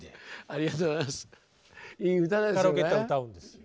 ありがとうございます。